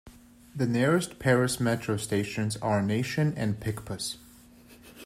The nearest Paris metro stations are Nation and Picpus.